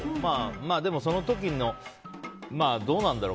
でも、その時のどうなんだろう。